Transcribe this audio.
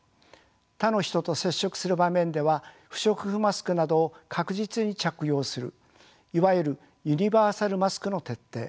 他の人と接触する場面では不織布マスクなどを確実に着用するいわゆるユニバーサルマスクの徹底。